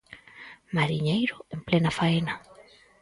Mariñeiro en plena faena.